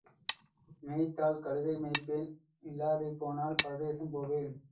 மேய்த்தால் கழுதை மேய்ப்பேன், இல்லாதேபோனால் பரதேசம் போவேன்.